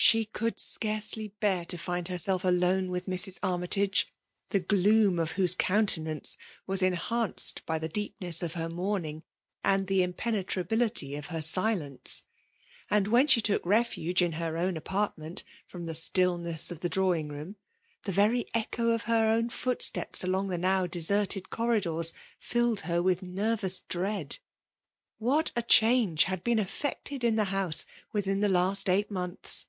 She could scarcely bear to find herself alone with Mrs. Armytage, the gloom of whose coun tenance was enhanced by the deepness of her mourning, and the impenetrability of her silence ; and when she took refuge in her own apartment from the stillness of the drawing room, the very echo of her own footsteps along the now deserted corridors, filled her with nervous dread. What a change had been effected in the house within the last eight months